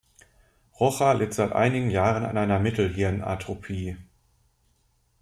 Rocha litt seit einigen Jahren an einer Mittelhirn-Atrophie.